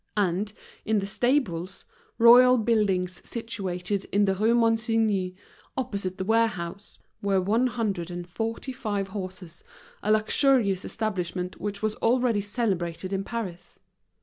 And, in the stables, royal buildings situated in the Rue Monsigny, opposite the warehouse, were one hundred and forty five horses, a luxurious establishment which was already celebrated in Paris.